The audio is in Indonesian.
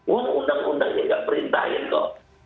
wah undang undangnya gak perintahin kok